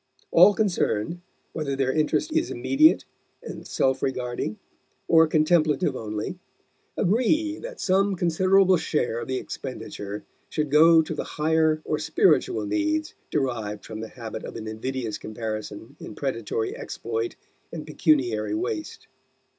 All concerned, whether their interest is immediate and self regarding, or contemplative only, agree that some considerable share of the expenditure should go to the higher or spiritual needs derived from the habit of an invidious comparison in predatory exploit and pecuniary waste.